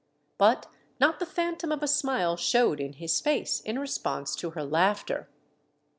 But not the phan tom of a smile showed in his face in response to her laughter.